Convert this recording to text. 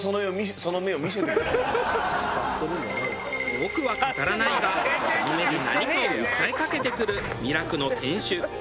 多くは語らないがその目で何かを訴えかけてくる美楽の店主。